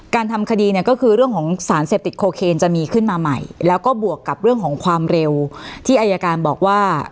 ทำคดีเนี่ยก็คือเรื่องของสารเสพติดโคเคนจะมีขึ้นมาใหม่แล้วก็บวกกับเรื่องของความเร็วที่อายการบอกว่า